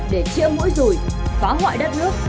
để chữa mũi rùi phá hoại đất nước